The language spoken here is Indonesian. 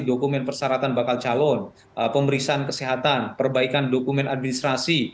dokumen persyaratan bakal calon pemeriksaan kesehatan perbaikan dokumen administrasi